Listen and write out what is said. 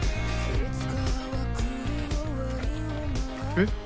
えっ！？